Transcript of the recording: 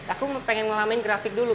aku pengen ngalamin grafik dulu